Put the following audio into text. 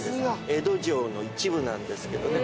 江戸城の一部なんですけどね。